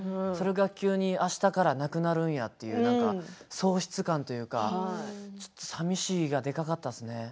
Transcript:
それが急にあしたからなくなるんやという喪失感というか寂しいがでかかったですね。